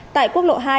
tại quốc lộ hai